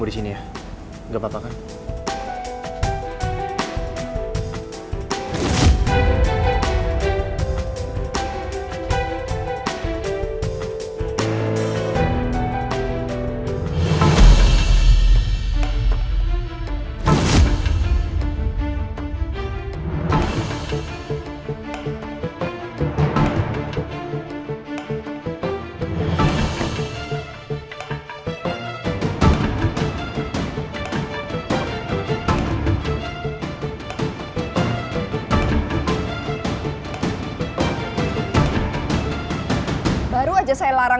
mereka belum pulang